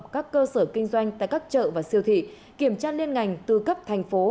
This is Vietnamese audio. các cơ sở kinh doanh tại các chợ và siêu thị kiểm tra liên ngành từ cấp thành phố